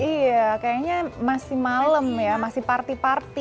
iya kayaknya masih malam ya masih parti parti